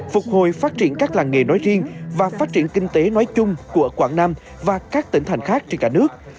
phục hồi phát triển các làng nghề nói riêng và phát triển kinh tế nói chung của quảng nam và các tỉnh thành khác trên cả nước